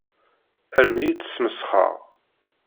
Armi i tt-smesxeɣ.